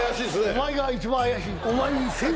お前が一番怪しい。